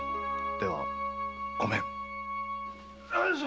ではごめん。